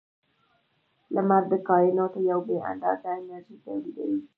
• لمر د کائنات یوه بې اندازې انرژي تولیدوي.